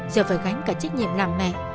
giờ phải gánh cả trách nhiệm của mẹ